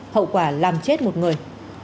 hậu quả làm chết một người